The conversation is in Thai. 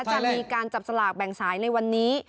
จะมีการจับสลากแบ่งสายในวันนี้